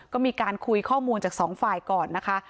ก็มีการคุยข้อมูลจากสองฝ่ายก่อนนะคะ